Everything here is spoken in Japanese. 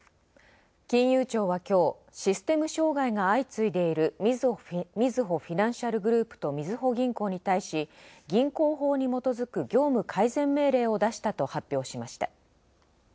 金融庁は今日システム障害が相次いでいるみずほフィナンシャルグループとみずほ銀行に対し銀行法に基づく業務改善命令を出したと発表しました。